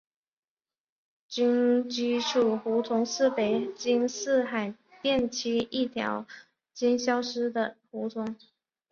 军机处胡同是北京市海淀区一条已经消失了的胡同。